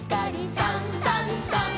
「さんさんさん」